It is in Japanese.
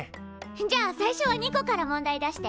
じゃあ最初はニコから問題出して。